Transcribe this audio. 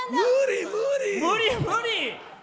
無理無理！